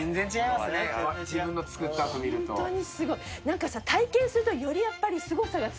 何かさ体験するとよりやっぱりすごさが伝わるよね。